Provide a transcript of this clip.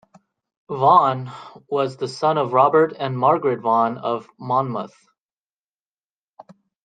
Vaughan was the son of Robert and Margaret Vaughan of Monmouth.